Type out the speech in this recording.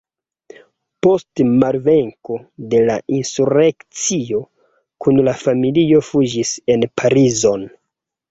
Post malvenko de la insurekcio kun la familio fuĝis en Parizon.